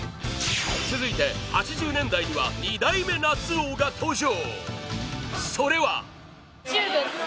続いて、８０年代には二代目夏王が登場！